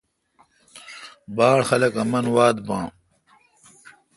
باڑ خلق آمن واتھ باں ۔